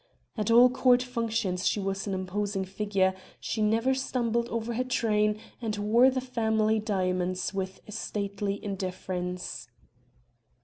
At all court functions she was an imposing figure, she never stumbled over her train and wore the family diamonds with stately indifference.